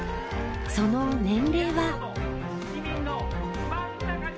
その年齢は。